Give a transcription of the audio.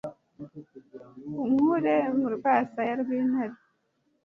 unkure mu rwasaya rw'intare